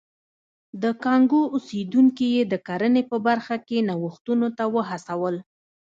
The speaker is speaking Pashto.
د کانګو اوسېدونکي یې د کرنې په برخه کې نوښتونو ته وهڅول.